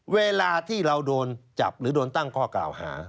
เวลาที่เราโดนจับหรือโดนตั้งข้อกล่าวหา